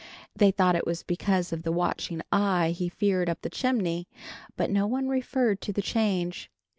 They thought it was because of the watching eye he feared up the chimney, but no one referred to the change.